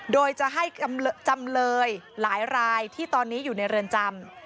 โดยจะให้จำเลยหลายรายที่ตอนนี้อยู่ในเรือนจำ